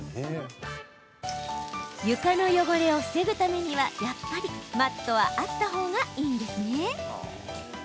床の汚れを防ぐためにはやっぱりマットはあったほうがいいんですね。